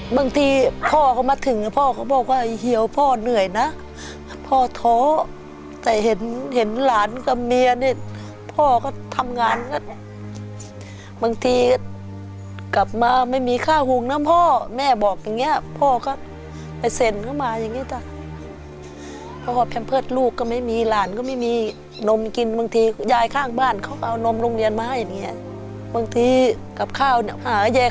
บางทีพ่อเขามาถึงพ่อเขาบอกว่าเหี่ยวพ่อเหนื่อยนะพ่อท้อแต่เห็นเห็นหลานกับเมียนี่พ่อก็ทำงานก็บางทีกลับมาไม่มีค่าหุงนะพ่อแม่บอกอย่างเงี้ยพ่อก็ไปเซ็นเข้ามาอย่างนี้จ้ะเพราะว่าแพมเพิร์ตลูกก็ไม่มีหลานก็ไม่มีนมกินบางทียายข้างบ้านเขาเอานมโรงเรียนมาให้อย่างเงี้ยบางทีกับข้าวเนี่ย